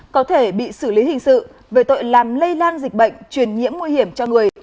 có thể bị xử lý hình sự về tội làm lây lan dịch bệnh truyền nhiễm nguy hiểm cho người